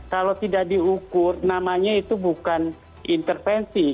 kalau tidak diukur namanya itu bukan intervensi